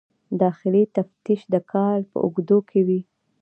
داخلي تفتیش د کال په اوږدو کې وي.